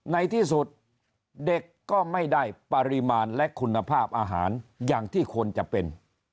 ในที่สุดเด็กก็ไม่ได้ปริมาณและคุณภาพอาหารอย่างที่ควรจะเป็น